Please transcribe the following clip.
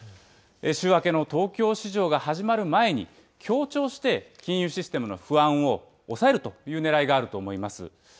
週明けの東京市場が始まる前に、協調して金融システムの不安を抑えるというねらいがあると思います。